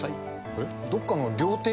えっ？